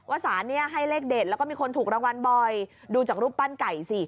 สารนี้ให้เลขเด็ดแล้วก็มีคนถูกรางวัลบ่อยดูจากรูปปั้นไก่สิ